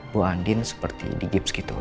bu andin seperti di gips gitu